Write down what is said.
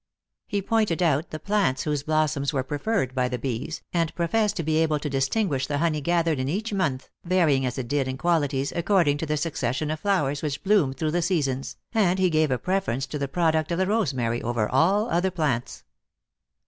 He pointed out the plants whose blossoms were preferred by the bees, and professed to be able to distinguish the honey gathered in each month, varying as it did in qualities according to the succession of flowers which bloomed through the seasons, and he gave a preference to the product of the rosemary over all other plants.